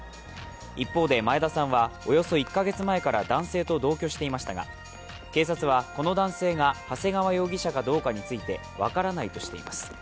一方で、前田さんはおよそ１か月前から、男性と同居していましたが警察は、この男性が長谷川容疑者かどうかについて分からないとしています。